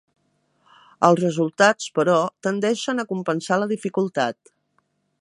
Els resultats, però, tendeixen a compensar la dificultat.